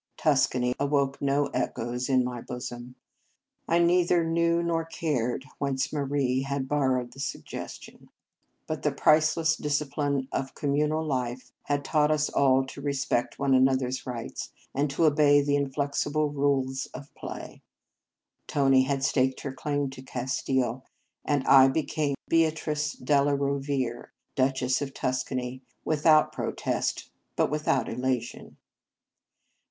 Tus cany awoke no echoes in my bosom. I neither knew nor cared whence Marie had borrowed the suggestion. But 1 60 Marriage Vows the priceless discipline of communal life had taught us all to respect one another s rights, and to obey the in flexible rules of play. Tony had staked her claim to Castile; and I became Beatrice della Rovere, Duchess of Tuscany, without protest, but without elation.